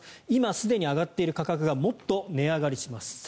今すでに上がっている価格がもっと値上がりします。